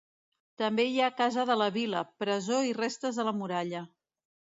També hi ha Casa de la vila, presó i restes de la muralla.